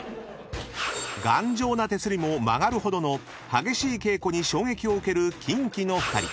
［頑丈な手すりも曲がるほどの激しい稽古に衝撃を受けるキンキの２人］